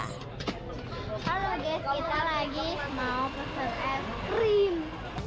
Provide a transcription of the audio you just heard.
halo guys kita lagi mau pesan air krim